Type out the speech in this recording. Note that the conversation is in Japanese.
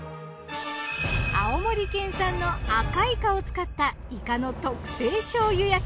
青森県産の赤イカを使ったイカの特製醤油焼き。